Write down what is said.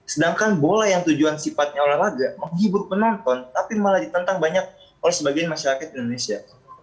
sedangkan bola yang tujuan sifatnya olahraga menghibur penonton tapi malah ditentang banyak oleh sebagian masyarakat indonesia